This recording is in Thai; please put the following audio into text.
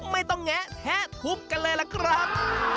ไม่ต้องแงะแท้ทุบกันเลยล่ะครับ